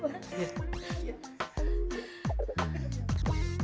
kamu sudah menjalankan tugas kamu dengan baik